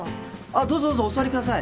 どうぞどうぞお座りください。